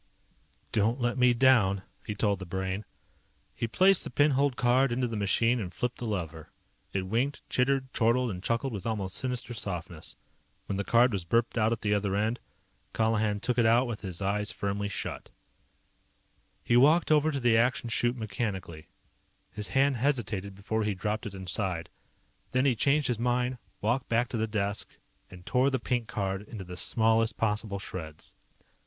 "Don't let me down," he told the Brain. He placed the pin holed card into the machine and flipped the lever. It winked, chittered, chortled, and chuckled with almost sinister softness. When the card was burped out at the other end, Colihan took it out with his eyes firmly shut. He walked over to the Action Chute mechanically. His hand hesitated before he dropped it inside. Then he changed his mind, walked back to the desk, and tore the pink card into the smallest possible shreds.